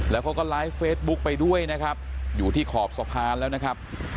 แล้วเขาก็ไลฟ์เฟซบุ๊คไปด้วยนะครับอยู่ที่ขอบสะพานแล้วนะครับ